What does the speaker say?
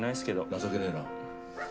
情けねえな。